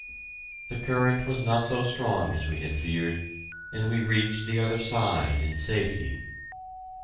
The current was not so strong as we had feared, and we reached the other side in safety.